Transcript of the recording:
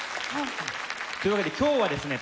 というわけで今日はですね